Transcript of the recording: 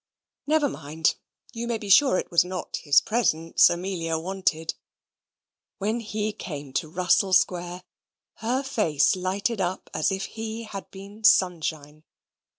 Never mind: you may be sure it was not his presents Amelia wanted. When he came to Russell Square, her face lighted up as if he had been sunshine.